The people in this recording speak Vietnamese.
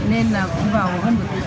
nên là cũng vào hơn một tỷ